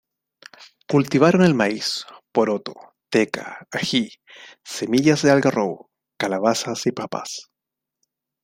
Cultivaron el maíz, poroto, teca, ají. semillas de Algarrobo, calabazas y papas.